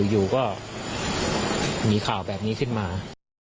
อยู่ก็มีข่าวแบบนี้ขึ้นมา